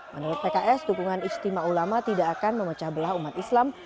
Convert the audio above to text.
menurut pks dukungan ijtima ulama tidak akan memecah belah umat islam